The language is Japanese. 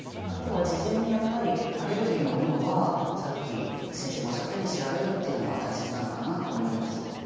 あとは事前にやっぱりアレルギーの有無はさっき先生もおっしゃったように調べるっていうのは大切なのかなと思いました。